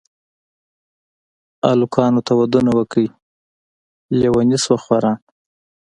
الکانو ته ودونه وکئ لېوني شوه خواران.